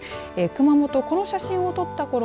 熊本、この写真を撮ったころ